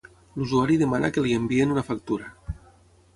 L'usuari demana que li enviïn una factura.